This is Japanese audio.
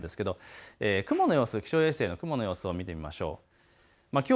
雲の様子、気象衛星の雲の様子を見てみましょう。